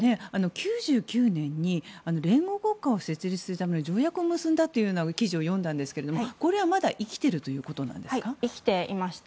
９９年に連合国家を設立させるための条約を結んだという記事を読んだんですがこれはまだ生きているんですか。